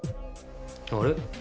あれ？